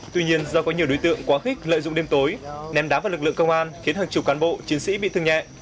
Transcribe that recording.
tuy nhiên do có nhiều đối tượng quá khích lợi dụng đêm tối ném đá vào lực lượng công an khiến hàng chục cán bộ chiến sĩ bị thương nhẹ